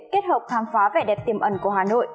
kết hợp khám phá vẻ đẹp tiềm ẩn của hà nội